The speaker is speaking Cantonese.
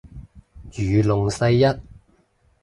如龍世一